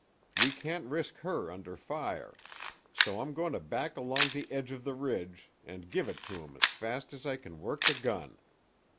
We can't risk her under fire. So I'm going to back along the edge of the ridge and give it to 'em as fast as I can work the gun.